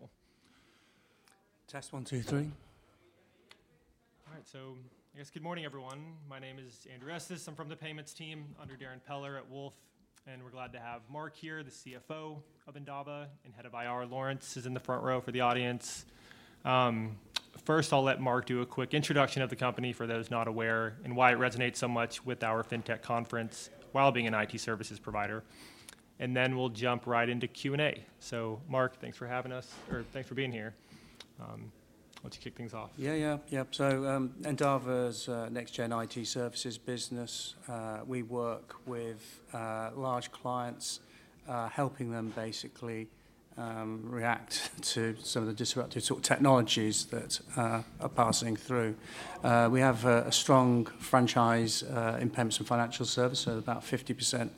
All right, so I guess good morning, everyone. My name is Andrew Estes. I'm from the payments team under Darrin Peller at Wolfe, and we're glad to have Mark here, the CFO of Endava, and head of IR Laurence is in the front row for the audience. First I'll let Mark do a quick introduction of the company for those not aware and why it resonates so much with our FinTech conference while being an IT services provider. And then we'll jump right into Q&A. So Mark, thanks for having us, or thanks for being here. Why don't you kick things off? Yeah, yeah, yep. So, Endava's next-gen IT services business. We work with large clients, helping them basically react to some of the disruptive sort of technologies that are passing through. We have a strong franchise in payments and financial services, so about 50%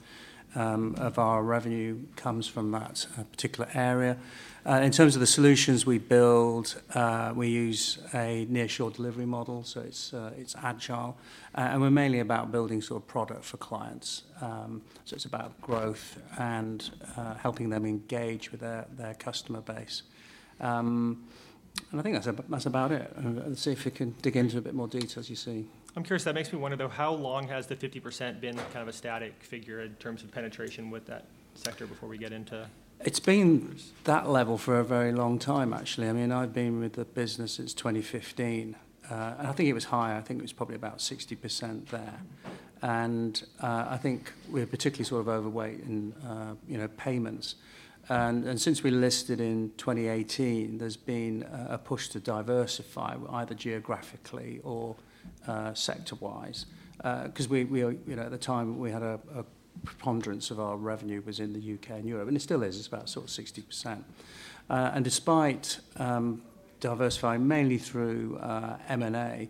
of our revenue comes from that particular area. In terms of the solutions we build, we use a nearshore delivery model, so it's agile. And we're mainly about building sort of product for clients. So it's about growth and helping them engage with their customer base. And I think that's about it. Let's see if we can dig into a bit more detail, as you see. I'm curious. That makes me wonder, though, how long has the 50% been kind of a static figure in terms of penetration with that sector before we get into? It's been that level for a very long time, actually. I mean, I've been with the business since 2015. I think it was higher. I think it was probably about 60% there. I think we're particularly sort of overweight in, you know, payments. And since we listed in 2018, there's been a push to diversify either geographically or sector-wise. 'Cause we, you know, at the time we had a preponderance of our revenue was in the UK and Europe, and it still is. It's about sort of 60%. And despite diversifying mainly through M&A,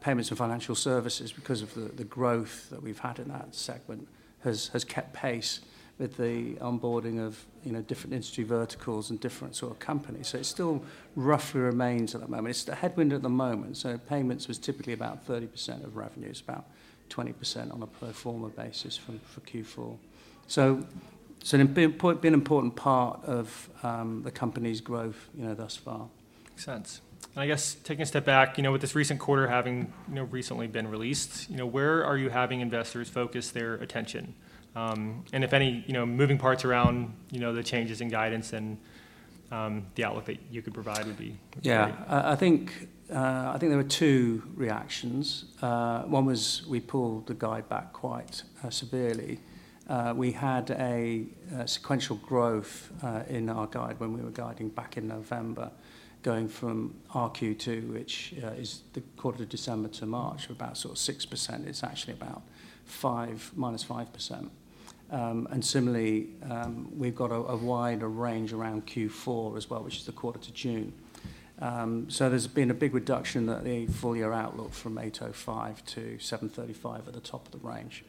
payments and financial services, because of the growth that we've had in that segment has kept pace with the onboarding of, you know, different industry verticals and different sort of companies. So it still roughly remains at that moment. It's the headwind at the moment. So payments was typically about 30% of revenue, it's about 20% on a pro forma basis for Q4. So it's an important part of the company's growth, you know, thus far. Makes sense. I guess taking a step back, you know, with this recent quarter having, you know, recently been released, you know, where are you having investors focus their attention? And if any, you know, moving parts around, you know, the changes in guidance and the outlook that you could provide would be would be great. Yeah. I think there were two reactions. One was we pulled the guide back quite severely. We had a sequential growth in our guide when we were guiding back in November, going from our Q2, which is the quarter to December to March, about sort of 6%. It's actually about 5 minus 5%. Similarly, we've got a wider range around Q4 as well, which is the quarter to June. There's been a big reduction in the full-year outlook from 8.5% to 7.5% at the top of the range.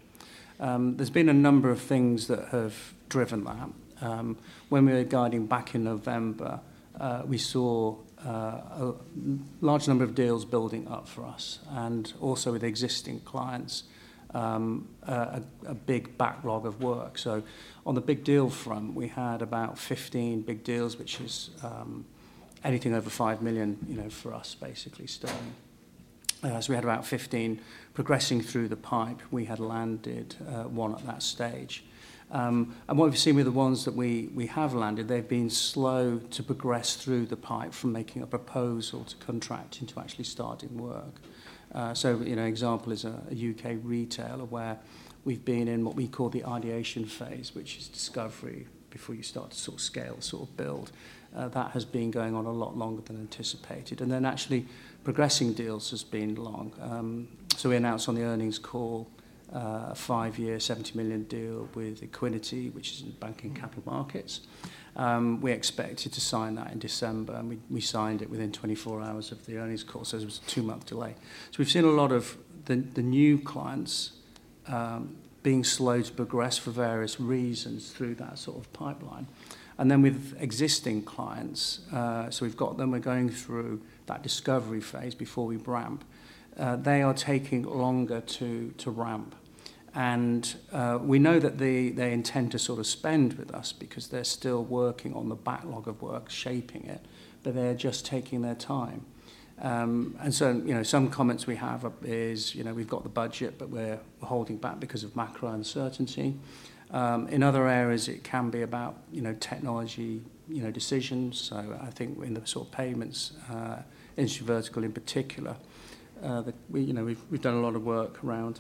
There's been a number of things that have driven that. When we were guiding back in November, we saw a large number of deals building up for us, and also with existing clients, a big backlog of work. So on the big deal front, we had about 15 big deals, which is anything over $5 million, you know, for us basically still. So we had about 15 progressing through the pipe. We had landed 1 at that stage. And what we've seen with the ones that we have landed, they've been slow to progress through the pipe from making a proposal to contract into actually starting work. So, you know, an example is a UK retailer where we've been in what we call the ideation phase, which is discovery before you start to sort of scale, sort of build. That has been going on a lot longer than anticipated. And then actually progressing deals has been long. So we announced on the earnings call a 5-year, $70 million deal with Equiniti, which is in banking capital markets. We expected to sign that in December, and we signed it within 24 hours of the earnings call, so there was a two-month delay. So we've seen a lot of the new clients being slow to progress for various reasons through that sort of pipeline. And then with existing clients, so we've got them, we're going through that discovery phase before we ramp. They are taking longer to ramp. And we know that they intend to sort of spend with us because they're still working on the backlog of work, shaping it, but they're just taking their time. And so, you know, some comments we have are, you know, we've got the budget, but we're holding back because of macro uncertainty. In other areas, it can be about, you know, technology, you know, decisions. So I think in the sort of payments, industry vertical in particular, you know, we've done a lot of work around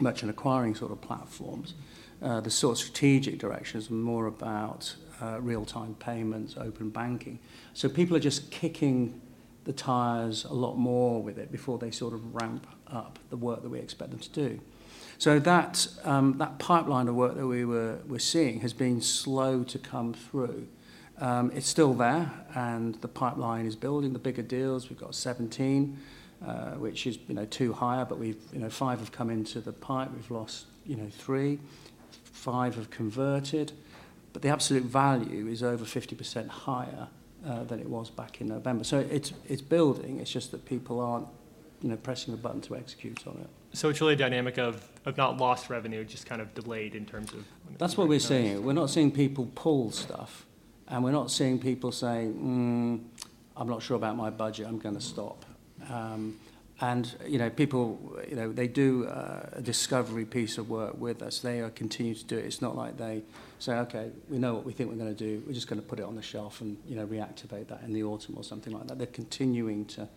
merchant acquiring sort of platforms. The sort of strategic direction is more about real-time payments, open banking. So people are just kicking the tires a lot more with it before they sort of ramp up the work that we expect them to do. So that pipeline of work that we were seeing has been slow to come through. It's still there, and the pipeline is building. The bigger deals, we've got 17, which is, you know, two higher, but we've, you know, 5 have come into the pipe. We've lost, you know, 3. 5 have converted. But the absolute value is over 50% higher than it was back in November. So it's building. It's just that people aren't, you know, pressing the button to execute on it. So it's really a dynamic of not lost revenue, just kind of delayed in terms of when it's coming through? That's what we're seeing. We're not seeing people pull stuff, and we're not seeing people saying, "I'm not sure about my budget. I'm going to stop," and, you know, people, you know, they do a discovery piece of work with us. They are continuing to do it. It's not like they say, "Okay, we know what we think we're going to do. We're just going to put it on the shelf and, you know, reactivate that in the autumn or something like that." They're continuing to,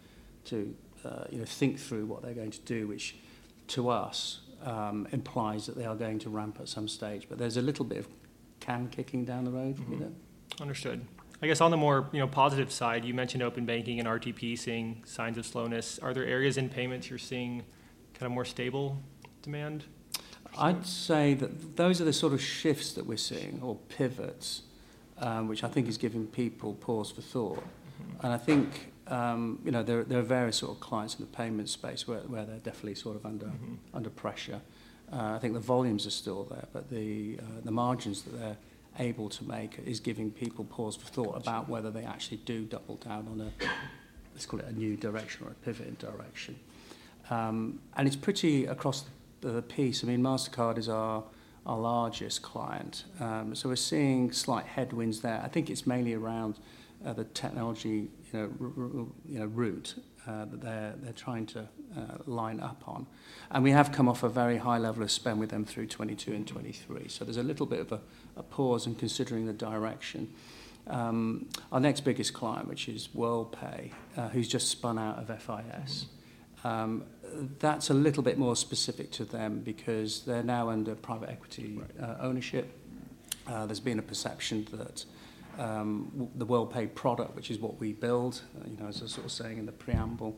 you know, think through what they're going to do, which to us implies that they are going to ramp at some stage. But there's a little bit of can kicking down the road with it. Mm-hmm. Understood. I guess on the more, you know, positive side, you mentioned open banking and RTP seeing signs of slowness. Are there areas in payments you're seeing kind of more stable demand? I'd say that those are the sort of shifts that we're seeing, or pivots, which I think is giving people pause for thought. And I think, you know, there are various sort of clients in the payments space where they're definitely sort of under pressure. I think the volumes are still there, but the margins that they're able to make is giving people pause for thought about whether they actually do double down on a, let's call it, a new direction or a pivot in direction. And it's pretty across the piece. I mean, Mastercard is our largest client. So we're seeing slight headwinds there. I think it's mainly around the technology, you know, route that they're trying to line up on. And we have come off a very high level of spend with them through 2022 and 2023. So there's a little bit of a pause in considering the direction. Our next biggest client, which is Worldpay, who's just spun out of FIS. That's a little bit more specific to them because they're now under private equity ownership. There's been a perception that with the Worldpay product, which is what we build, you know, as I was sort of saying in the preamble,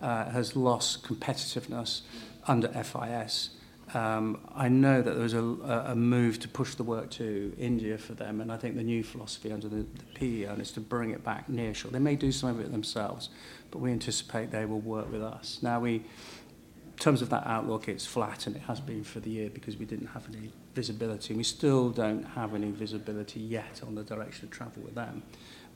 has lost competitiveness under FIS. I know that there was a move to push the work to India for them, and I think the new philosophy under the PE owner is to bring it back nearshore. They may do some of it themselves, but we anticipate they will work with us. Now we, in terms of that outlook, it's flat, and it has been for the year because we didn't have any visibility. We still don't have any visibility yet on the direction of travel with them,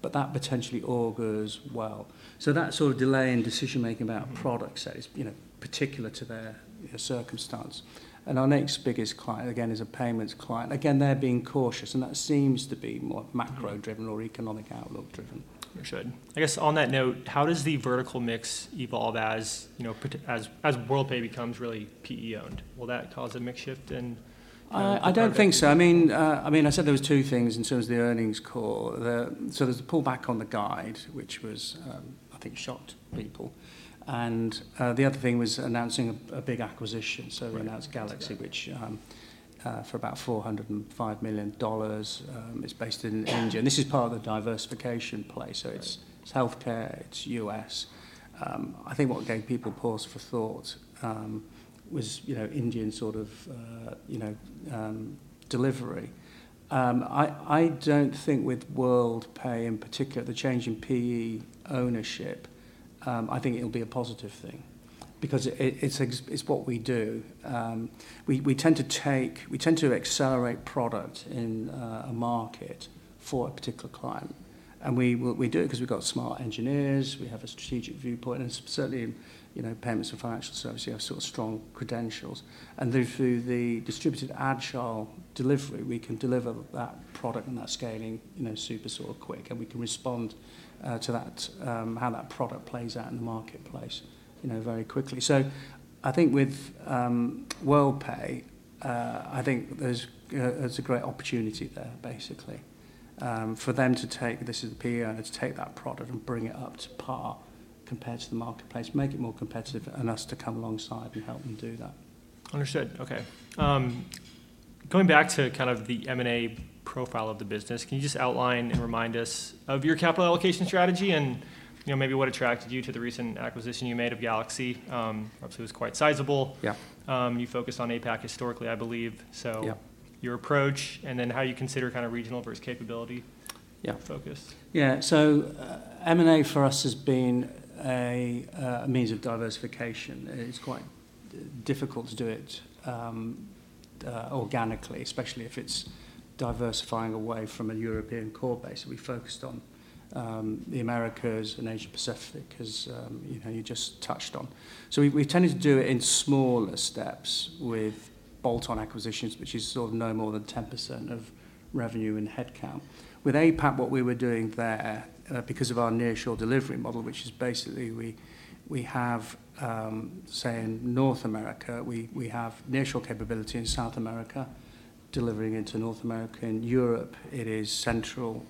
but that potentially augurs well. That sort of delay in decision-making about a product set is, you know, particular to their circumstance. Our next biggest client, again, is a payments client. Again, they're being cautious, and that seems to be more macro-driven or economic outlook-driven. Understood. I guess on that note, how does the vertical mix evolve as, you know, as Worldpay becomes really PE-owned? Will that cause a mix shift in terms of? I don't think so. I mean, I said there were two things in terms of the earnings call. So there's a pullback on the guide, which I think shocked people. And the other thing was announcing a big acquisition. So we announced GalaxE, which for about $405 million is based in India. And this is part of the diversification play, so it's healthcare, it's US. I think what gave people pause for thought was you know Indian sort of you know delivery. I don't think with Worldpay in particular the change in PE ownership I think it'll be a positive thing because it's exactly what we do. We tend to accelerate product in a market for a particular client. And we do it because we've got smart engineers, we have a strategic viewpoint, and certainly in, you know, payments and financial services, you have sort of strong credentials. Through the distributed agile delivery, we can deliver that product and that scaling, you know, super sort of quick, and we can respond to that, how that product plays out in the marketplace, you know, very quickly. So I think with Worldpay, I think there's a great opportunity there, basically, for them to take this is the PEO to take that product and bring it up to par compared to the marketplace, make it more competitive, and us to come alongside and help them do that. Understood. Okay. Going back to kind of the M&A profile of the business, can you just outline and remind us of your capital allocation strategy and, you know, maybe what attracted you to the recent acquisition you made of GalaxE? Obviously, it was quite sizable. Yeah. You focused on APAC historically, I believe. So. Yeah. Your approach, and then how you consider kind of regional versus capability focus. Yeah. Yeah. So, M&A for us has been a means of diversification. It's quite difficult to do it organically, especially if it's diversifying away from a European core base. So we focused on the Americas and Asia-Pacific, as you know, you just touched on. So we tended to do it in smaller steps with bolt-on acquisitions, which is sort of no more than 10% of revenue and headcount. With APAC, what we were doing there, because of our nearshore delivery model, which is basically we have, say in North America, we have nearshore capability in South America, delivering into North America. In Europe, it is Central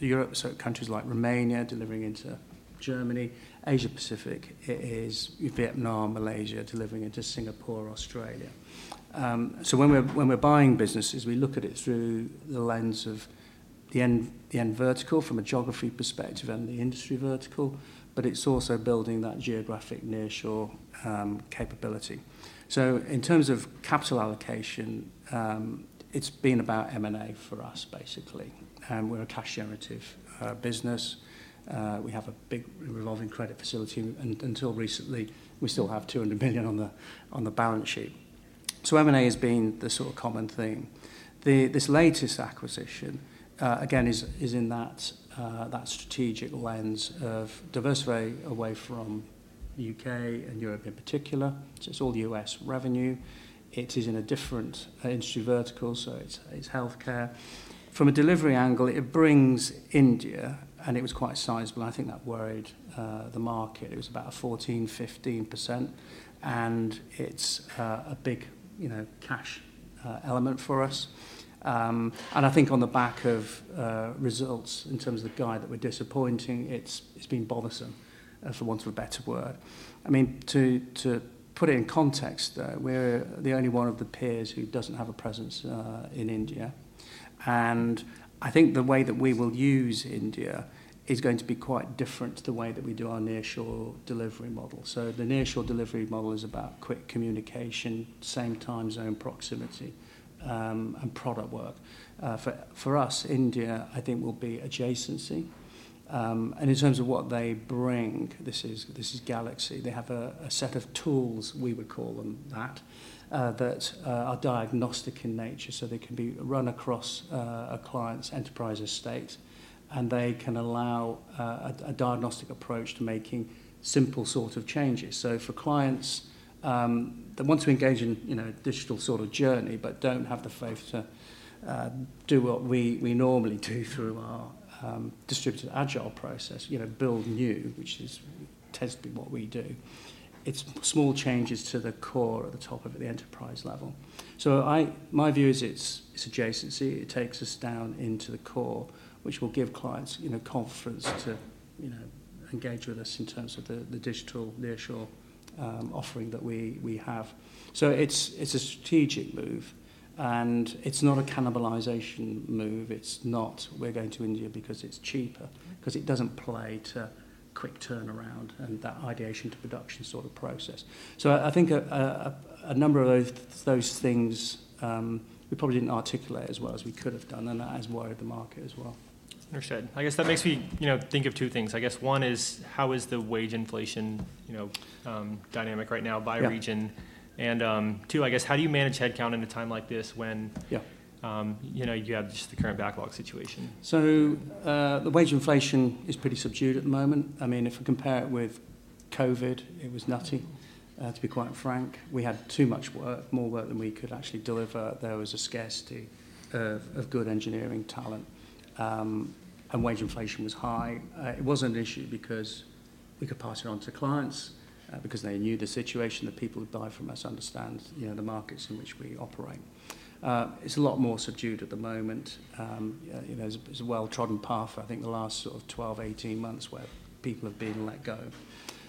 Europe, so countries like Romania delivering into Germany. Asia-Pacific, it is Vietnam, Malaysia, delivering into Singapore, Australia. So when we're buying businesses, we look at it through the lens of the end vertical from a geography perspective and the industry vertical, but it's also building that geographic nearshore capability. So in terms of capital allocation, it's been about M&A for us, basically. We're a cash-generative business. We have a big revolving credit facility. And until recently, we still have $200 million on the balance sheet. So M&A has been the sort of common thing. This latest acquisition, again, is in that strategic lens of diversifying away from the U.K. and Europe in particular. So it's all U.S. revenue. It is in a different industry vertical, so it's healthcare. From a delivery angle, it brings India, and it was quite sizable, and I think that worried the market. It was about 14%-15%, and it's a big, you know, cash element for us. I think on the back of results in terms of the guide that were disappointing, it's been bothersome, for want of a better word. I mean, to put it in context, though, we're the only one of the peers who doesn't have a presence in India. And I think the way that we will use India is going to be quite different to the way that we do our nearshore delivery model. So the nearshore delivery model is about quick communication, same time zone proximity, and product work. For us, India, I think, will be adjacency. In terms of what they bring, this is GalaxE. They have a set of tools, we would call them that, that are diagnostic in nature, so they can be run across a client's enterprise estate, and they can allow a diagnostic approach to making simple sort of changes. So for clients that want to engage in, you know, a digital sort of journey but don't have the faith to do what we normally do through our distributed agile process, you know, build new, which is tends to be what we do, it's small changes to the core at the top of it, the enterprise level. So in my view is it's adjacency. It takes us down into the core, which will give clients, you know, confidence to, you know, engage with us in terms of the digital nearshore offering that we have. So it's a strategic move, and it's not a cannibalization move. It's not, "We're going to India because it's cheaper," because it doesn't play to quick turnaround and that ideation to production sort of process. So I think a number of those things, we probably didn't articulate as well as we could have done, and that has worried the market as well. Understood. I guess that makes me, you know, think of two things. I guess one is how is the wage inflation, you know, dynamic right now by region? And, two, I guess, how do you manage headcount in a time like this when. Yeah. You know, you have just the current backlog situation? So, the wage inflation is pretty subdued at the moment. I mean, if we compare it with COVID, it was nutty, to be quite frank. We had too much work, more work than we could actually deliver. There was a scarcity of good engineering talent. And wage inflation was high. It wasn't an issue because we could pass it on to clients, because they knew the situation, the people who buy from us understand, you know, the markets in which we operate. It's a lot more subdued at the moment. You know, there's a well-trodden path, I think, the last sort of 12, 18 months where people have been let go.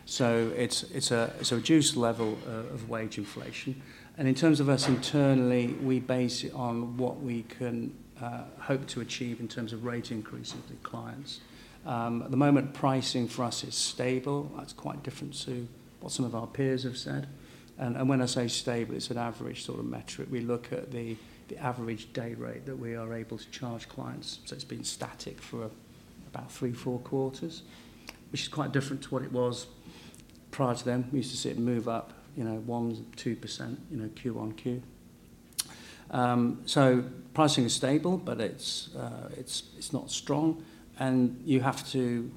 So it's a reduced level of wage inflation. And in terms of us internally, we base it on what we can hope to achieve in terms of rate increases with clients. At the moment, pricing for us is stable. That's quite different to what some of our peers have said. And, and when I say stable, it's an average sort of metric. We look at the, the average day rate that we are able to charge clients. So it's been static for about 3-4 quarters, which is quite different to what it was prior to them. We used to see it move up, you know, 1%-2%, you know, Q-on-Q. So pricing is stable, but it's, it's, it's not strong. And you have to,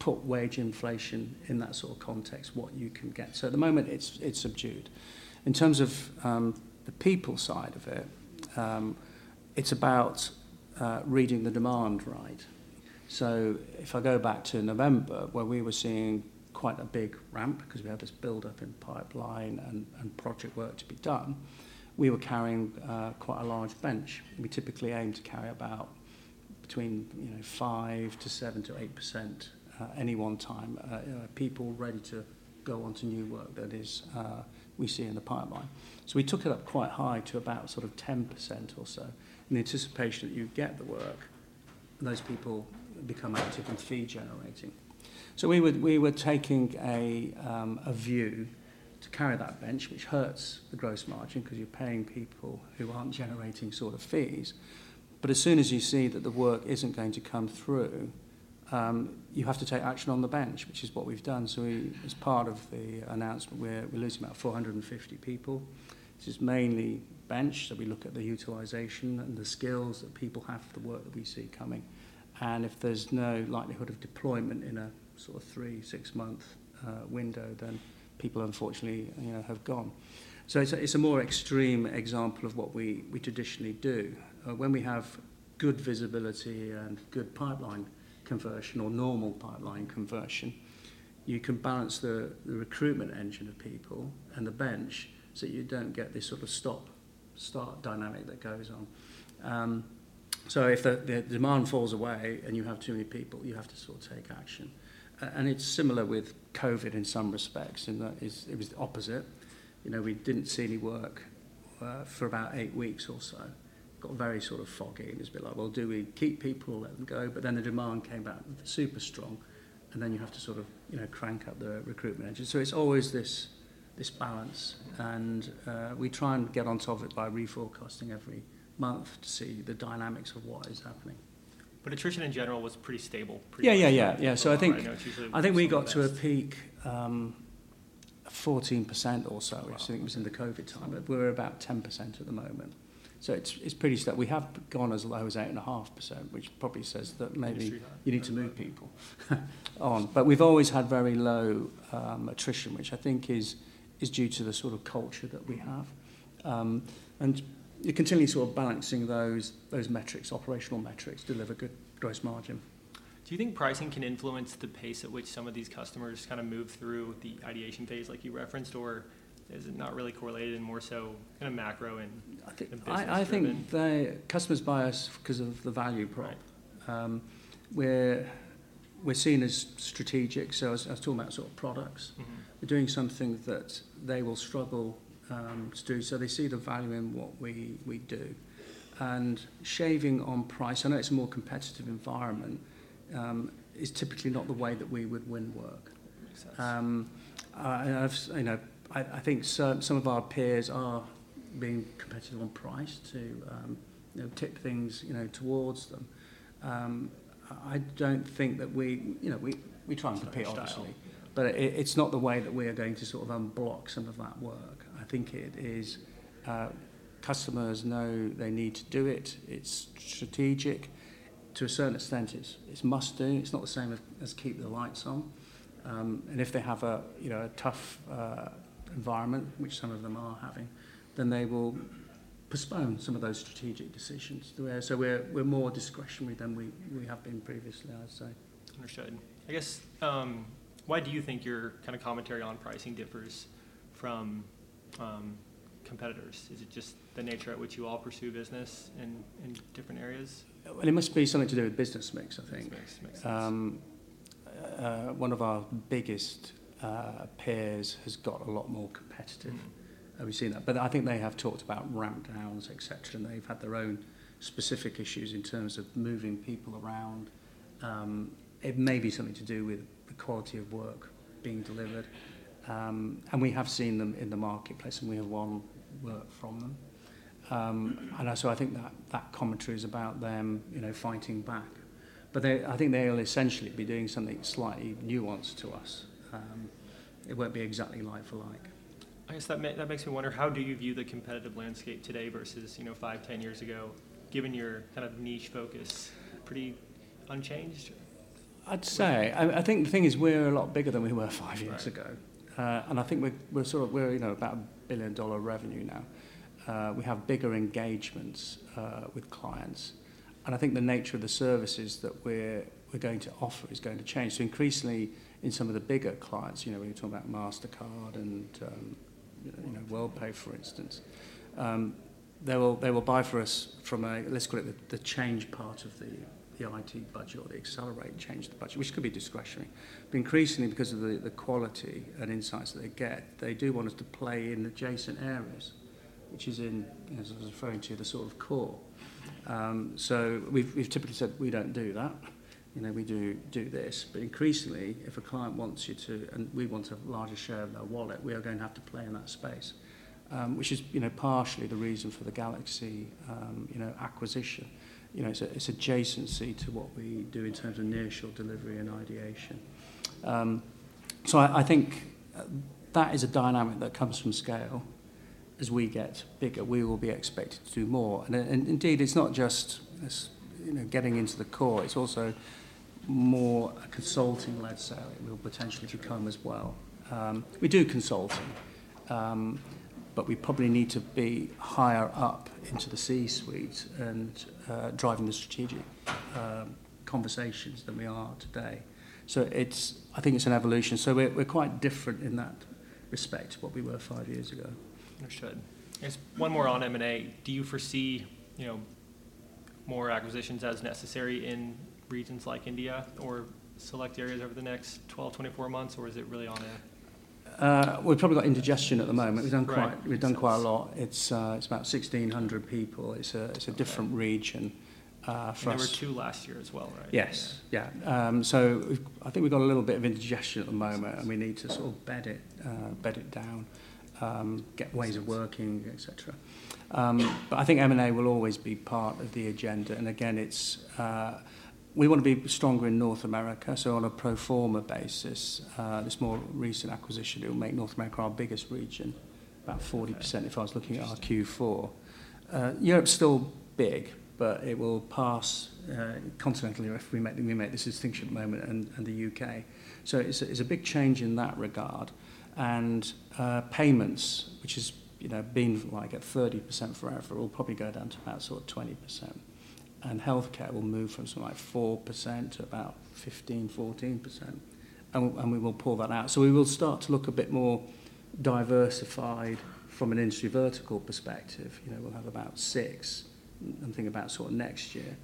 put wage inflation in that sort of context, what you can get. So at the moment, it's, it's subdued. In terms of, the people side of it, it's about, reading the demand right. So if I go back to November, where we were seeing quite a big ramp because we had this buildup in pipeline and project work to be done, we were carrying quite a large bench. We typically aim to carry about between, you know, 5%-8% at any one time, you know, people ready to go on to new work that we see in the pipeline. So we took it up quite high to about sort of 10% or so in the anticipation that you get the work, and those people become active in fee generating. So we were taking a view to carry that bench, which hurts the gross margin because you're paying people who aren't generating sort of fees. But as soon as you see that the work isn't going to come through, you have to take action on the bench, which is what we've done. So we, as part of the announcement, we're losing about 450 people. This is mainly bench. So we look at the utilization and the skills that people have for the work that we see coming. And if there's no likelihood of deployment in a sort of three-six-month window, then people, unfortunately, you know, have gone. So it's a more extreme example of what we traditionally do. When we have good visibility and good pipeline conversion or normal pipeline conversion, you can balance the recruitment engine of people and the bench so that you don't get this sort of stop-start dynamic that goes on. So if the demand falls away and you have too many people, you have to sort of take action. It's similar with COVID in some respects, in that it was the opposite. You know, we didn't see any work for about eight weeks or so. Got very sort of foggy. It's been like, "Well, do we keep people or let them go?" But then the demand came back super strong, and then you have to sort of, you know, crank up the recruitment engine. So it's always this, this balance. We try and get on top of it by reforecasting every month to see the dynamics of what is happening. Attrition in general was pretty stable, pretty stable. Yeah, yeah, yeah. Yeah. So I think. I know it's usually. I think we got to a peak, 14% or so. I think it was in the COVID time, but we're about 10% at the moment. So it's pretty stable. We have gone as low as 8.5%, which probably says that maybe you need to move people on. But we've always had very low attrition, which I think is due to the sort of culture that we have. And you're continually sort of balancing those metrics, operational metrics, deliver good gross margin. Do you think pricing can influence the pace at which some of these customers kind of move through the ideation phase like you referenced, or is it not really correlated and more so kind of macro in the business segment? I think the customers buy us because of the value prop. We're seen as strategic. So I was talking about sort of products. We're doing something that they will struggle to do. So they see the value in what we do. And shaving on price, I know it's a more competitive environment, is typically not the way that we would win work. Makes sense. I've, you know, I think some of our peers are being competitive on price to, you know, tip things, you know, towards them. I don't think that we, you know, we try and compete, obviously. Obviously. But it's not the way that we are going to sort of unblock some of that work. I think it is. Customers know they need to do it. It's strategic. To a certain extent, it's must-do. It's not the same as keep the lights on. And if they have a, you know, a tough environment, which some of them are having, then they will postpone some of those strategic decisions. So we're more discretionary than we have been previously, I'd say. Understood. I guess, why do you think your kind of commentary on pricing differs from competitors? Is it just the nature at which you all pursue business in different areas? Well, it must be something to do with business mix, I think. Business mix. One of our biggest peers has got a lot more competitive. We've seen that. I think they have talked about rampdowns, etc., and they've had their own specific issues in terms of moving people around. It may be something to do with the quality of work being delivered. We have seen them in the marketplace, and we have won work from them. And so I think that, that commentary is about them, you know, fighting back. They, I think they'll essentially be doing something slightly nuanced to us. It won't be exactly like for like. I guess that makes me wonder, how do you view the competitive landscape today versus, you know, five, 10 years ago, given your kind of niche focus? Pretty unchanged? I'd say. I think the thing is we're a lot bigger than we were five years ago, and I think we're sort of, you know, about a billion-dollar revenue now. We have bigger engagements with clients. And I think the nature of the services that we're going to offer is going to change. So increasingly, in some of the bigger clients, you know, when you're talking about Mastercard and, you know, Worldpay, for instance, they will buy for us from a, let's call it, the change part of the IT budget or the accelerate change of the budget, which could be discretionary. But increasingly, because of the quality and insights that they get, they do want us to play in adjacent areas, which is in, you know, as I was referring to, the sort of core. So we've typically said, "We don't do that. You know, we do this." But increasingly, if a client wants you to and we want a larger share of their wallet, we are going to have to play in that space, which is, you know, partially the reason for the GalaxE, you know, acquisition. You know, it's adjacency to what we do in terms of nearshore delivery and ideation. So I think that is a dynamic that comes from scale. As we get bigger, we will be expected to do more. And indeed, it's not just, you know, getting into the core. It's also more a consulting-led sale. It will potentially become as well. We do consulting, but we probably need to be higher up into the C-suite and driving the strategic conversations than we are today. So I think it's an evolution. So we're quite different in that respect to what we were five years ago. Understood. I guess one more on M&A. Do you foresee, you know, more acquisitions as necessary in regions like India or select areas over the next 12, 24 months, or is it really organic? We've probably got indigestion at the moment. We've done quite a lot. It's a different region from. There were two last year as well, right? Yes. Yeah. So I think we've got a little bit of indigestion at the moment, and we need to sort of bed it, bed it down, get ways of working, etc. But I think M&A will always be part of the agenda. And again, it's, we want to be stronger in North America. So on a pro forma basis, this more recent acquisition, it will make North America our biggest region, about 40% if I was looking at our Q4. Europe's still big, but it will pass, continentally if we make we make this distinction moment and, and the UK. So it's a, it's a big change in that regard. And, payments, which has, you know, been like at 30% forever, will probably go down to about sort of 20%. And healthcare will move from something like 4% to about 15, 14%. And we'll and we will pull that out. So we will start to look a bit more diversified from an industry vertical perspective. You know, we'll have about six and think about sort of next year.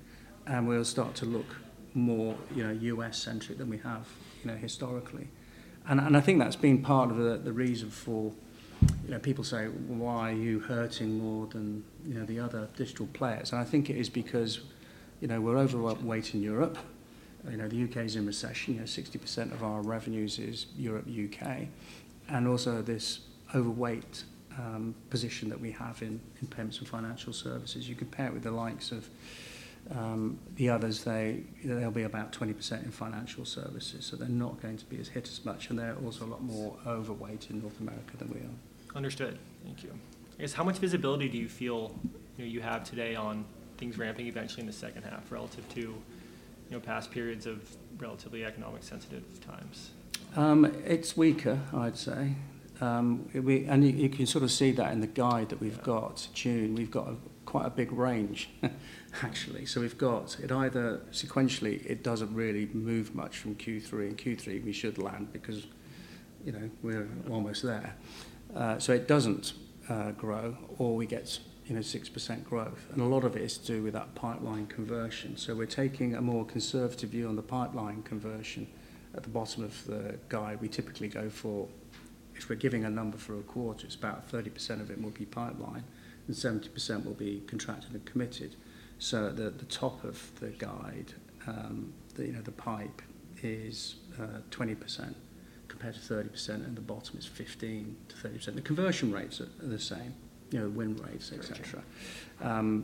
And we'll start to look more, you know, U.S.-centric than we have, you know, historically. And, and I think that's been part of the, the reason for, you know, people say, "Why are you hurting more than, you know, the other digital players?" And I think it is because, you know, we're overweight in Europe. You know, the U.K.'s in recession. You know, 60% of our revenues is Europe-U.K. And also this overweight, position that we have in, in payments and financial services. You compare it with the likes of, the others, they you know, they'll be about 20% in financial services. So they're not going to be as hit as much. They're also a lot more overweight in North America than we are. Understood. Thank you. I guess how much visibility do you feel, you know, you have today on things ramping eventually in the second half relative to, you know, past periods of relatively economic-sensitive times? It's weaker, I'd say. We and you, you can sort of see that in the guide that we've got, June. We've got quite a big range, actually. So we've got it either sequentially; it doesn't really move much from Q3. In Q3, we should land because, you know, we're almost there. So it doesn't grow, or we get, you know, 6% growth. And a lot of it is to do with that pipeline conversion. So we're taking a more conservative view on the pipeline conversion. At the bottom of the guide, we typically go for if we're giving a number for a quarter, it's about 30% of it will be pipeline and 70% will be contracted and committed. So at the top of the guide, you know, the pipe is 20% compared to 30%, and the bottom is 15%-30%. The conversion rates are the same, you know, win rates, etc.,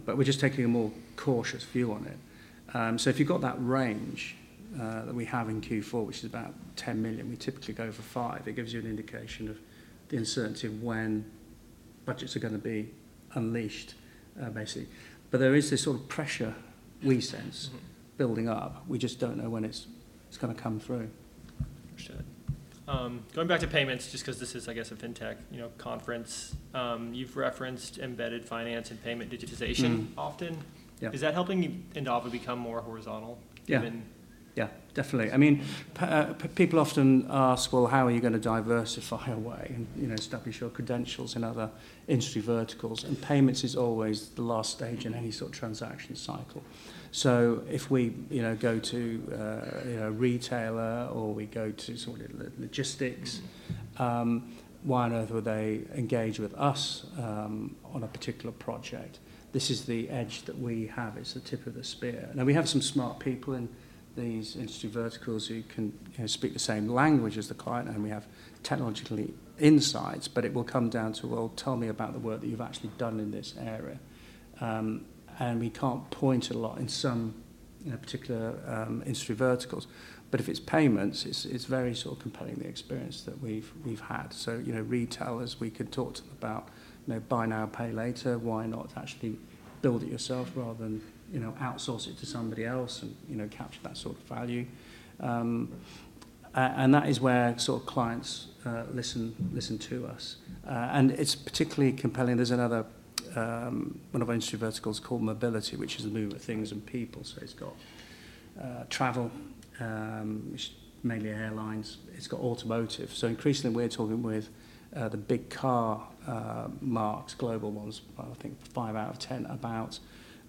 but we're just taking a more cautious view on it. If you've got that range that we have in Q4, which is about $10 million, we typically go for $5 million. It gives you an indication of the uncertainty of when budgets are going to be unleashed, basically. But there is this sort of pressure we sense building up. We just don't know when it's going to come through. Understood. Going back to payments, just because this is, I guess, a fintech, you know, conference, you've referenced embedded finance and payment digitization often. Yeah. Is that helping Endava become more horizontal than? Yeah. Yeah, definitely. I mean, people often ask, "Well, how are you going to diversify away and, you know, establish your credentials in other industry verticals?" And payments is always the last stage in any sort of transaction cycle. So if we, you know, go to, you know, a retailer or we go to sort of logistics, why on earth would they engage with us, on a particular project? This is the edge that we have. It's the tip of the spear. Now, we have some smart people in these industry verticals who can, you know, speak the same language as the client, and we have technological insights, but it will come down to, "Well, tell me about the work that you've actually done in this area," and we can't point a lot in some, you know, particular, industry verticals. But if it's payments, it's very sort of compelling, the experience that we've had. So, you know, retailers, we could talk to them about, you know, buy now, pay later. Why not actually build it yourself rather than, you know, outsource it to somebody else and, you know, capture that sort of value? That is where sort of clients listen to us. It's particularly compelling. There's another one of our industry verticals called mobility, which is the movement of things and people. So it's got travel, which is mainly airlines. It's got automotive. So increasingly, we're talking with the big carmakers, global ones, I think five out of 10, about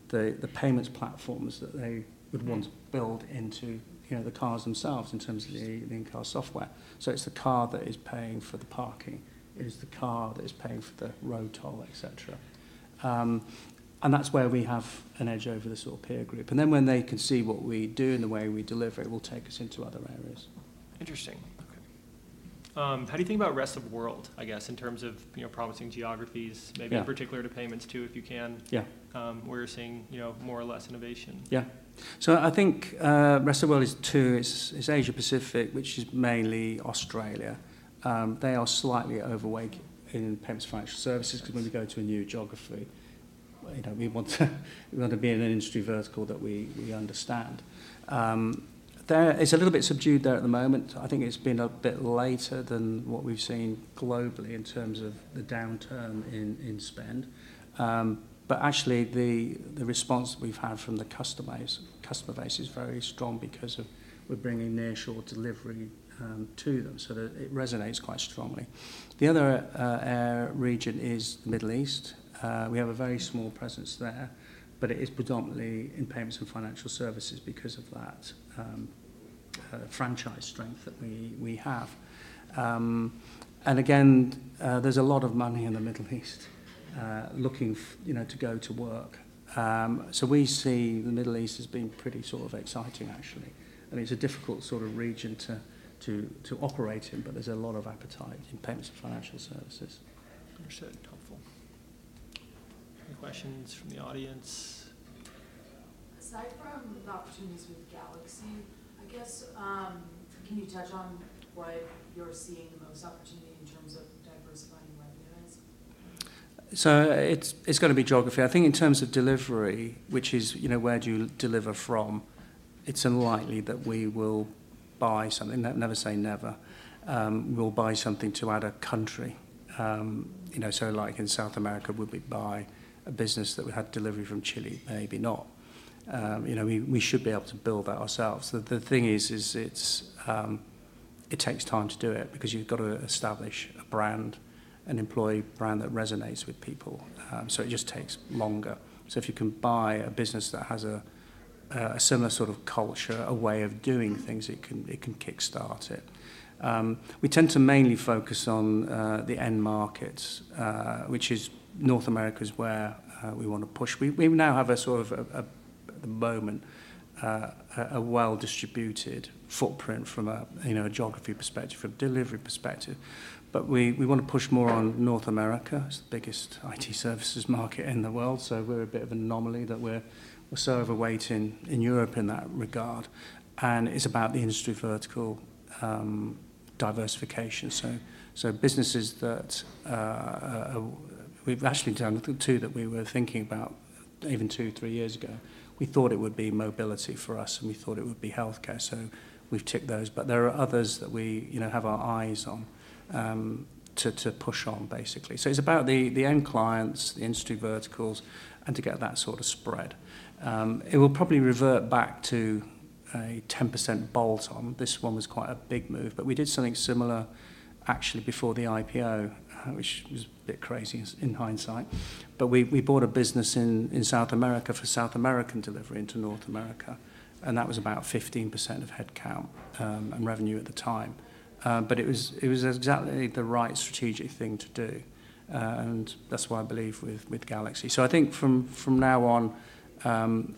the payments platforms that they would want to build into the cars themselves in terms of the in-car software. So it's the car that is paying for the parking. It is the car that is paying for the road toll, etc., and that's where we have an edge over the sort of peer group. And then when they can see what we do and the way we deliver, it will take us into other areas. Interesting. Okay. How do you think about rest of the world, I guess, in terms of, you know, promising geographies, maybe in particular to payments too, if you can? Yeah. where you're seeing, you know, more or less innovation? Yeah. So I think rest of the world is two. It's Asia-Pacific, which is mainly Australia. They are slightly overweight in payments financial services because when we go to a new geography, you know, we want to be in an industry vertical that we understand. There it's a little bit subdued there at the moment. I think it's been a bit later than what we've seen globally in terms of the downturn in spend. But actually, the response that we've had from the customer is customer base is very strong because we're bringing nearshore delivery to them. So it resonates quite strongly. The other area is the Middle East. We have a very small presence there, but it is predominantly in payments and financial services because of that franchise strength that we have. And again, there's a lot of money in the Middle East looking, you know, to go to work. So we see the Middle East as being pretty sort of exciting, actually. And it's a difficult sort of region to operate in, but there's a lot of appetite in payments and financial services. Understood. Helpful. Any questions from the audience? Aside from the opportunities with GalaxE, I guess, can you touch on what you're seeing the most opportunity in terms of diversifying revenue as? So it's going to be geography. I think in terms of delivery, which is, you know, where do you deliver from, it's unlikely that we will buy something. Never say never. We'll buy something to add a country. You know, so like in South America, we'd buy a business that would have delivery from Chile, maybe not. You know, we should be able to build that ourselves. The thing is, it's it takes time to do it because you've got to establish a brand, an employee brand that resonates with people. So it just takes longer. So if you can buy a business that has a similar sort of culture, a way of doing things, it can kickstart it. We tend to mainly focus on the end markets, which is North America is where we want to push. We now have a sort of a at the moment a well-distributed footprint from a you know geography perspective from a delivery perspective. But we want to push more on North America. It's the biggest IT services market in the world. So we're a bit of an anomaly that we're so overweight in Europe in that regard. And it's about the industry vertical diversification. So businesses that we've actually done two that we were thinking about even two three years ago. We thought it would be mobility for us, and we thought it would be healthcare. So we've ticked those. But there are others that we you know have our eyes on to push on basically. So it's about the end clients the industry verticals and to get that sort of spread. It will probably revert back to a 10% bolt-on. This one was quite a big move, but we did something similar actually before the IPO, which was a bit crazy in hindsight. But we bought a business in South America for South American delivery into North America. And that was about 15% of headcount, and revenue at the time. But it was exactly the right strategic thing to do. And that's why I believe with GalaxE. So I think from now on,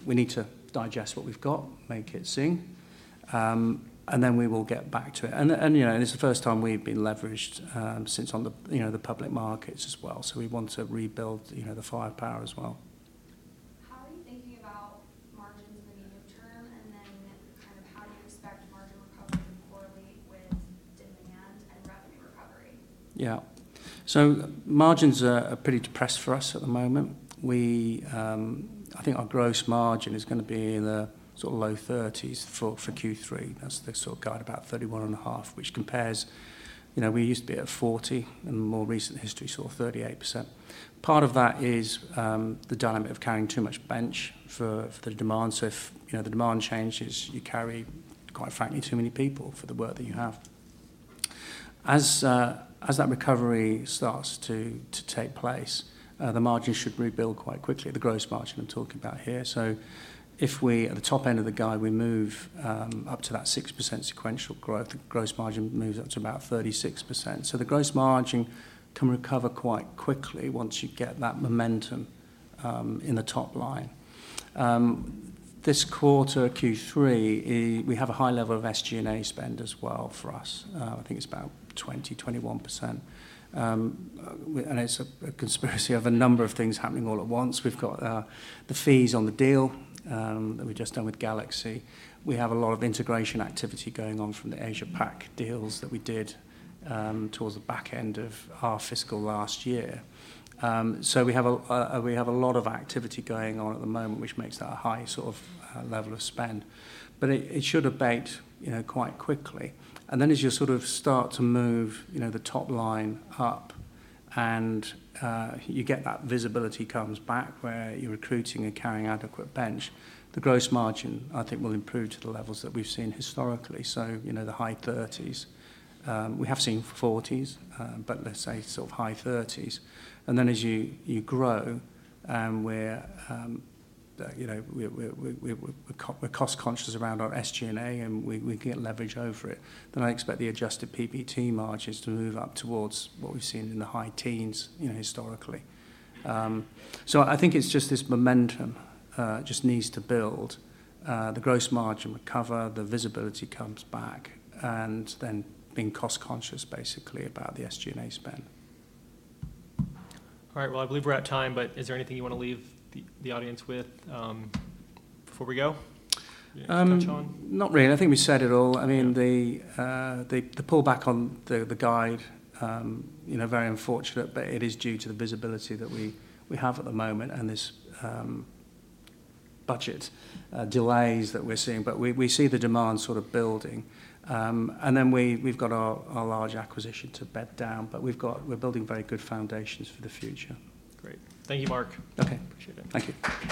we need to digest what we've got, make it sing, and then we will get back to it. And you know, and it's the first time we've been leveraged, since on the, you know, the public markets as well. So we want to rebuild, you know, the firepower as well. How are you thinking about margins in the medium term, and then kind of how do you expect margin recovery to correlate with demand and revenue recovery? Yeah. So margins are pretty depressed for us at the moment. We, I think our gross margin is going to be in the sort of low 30s for Q3. That's the sort of guide, about 31.5%, which compares, you know, we used to be at 40%, and more recent history saw 38%. Part of that is the dynamic of carrying too much bench for the demand. So if, you know, the demand changes, you carry, quite frankly, too many people for the work that you have. As that recovery starts to take place, the margin should rebuild quite quickly, the gross margin I'm talking about here. So if we at the top end of the guide, we move up to that 6% sequential growth, the gross margin moves up to about 36%. So the gross margin can recover quite quickly once you get that momentum in the top line. This quarter, Q3, we have a high level of SG&A spend as well for us. I think it's about 20%-21%. And it's a conspiracy of a number of things happening all at once. We've got the fees on the deal that we just done with GalaxE. We have a lot of integration activity going on from the Asia-Pacific deals that we did towards the back end of our fiscal last year. So we have a lot of activity going on at the moment, which makes that a high sort of level of spend. But it should abate, you know, quite quickly. And then as you sort of start to move, you know, the top line up and you get that visibility comes back where you're recruiting and carrying adequate bench, the gross margin, I think, will improve to the levels that we've seen historically. So, you know, the high 30s. We have seen 40s, but let's say sort of high 30s. And then as you grow, we're, you know, cost-conscious around our SG&A, and we can get leverage over it. Then I expect the adjusted PBT margins to move up towards what we've seen in the high teens, you know, historically. So I think it's just this momentum, just needs to build. The gross margin recover, the visibility comes back, and then being cost-conscious, basically, about the SG&A spend. All right. Well, I believe we're at time, but is there anything you want to leave the audience with, before we go? Touch on? Not really. I think we said it all. I mean, the pullback on the guide, you know, very unfortunate, but it is due to the visibility that we have at the moment and these budget delays that we're seeing. But we see the demand sort of building. And then we've got our large acquisition to bed down, but we've got, we're building very good foundations for the future. Great. Thank you, Mark. Okay. Appreciate it. Thank you.